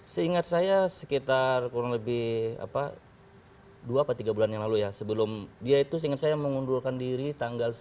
seingat saya sekitar kurang lebih dua atau tiga bulan yang lalu ya sebelum dia itu seingat saya mengundurkan diri tanggal